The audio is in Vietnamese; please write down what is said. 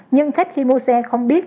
nhưng khách khi mua xe không biết